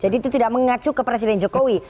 jadi itu tidak mengacu ke presiden jokowi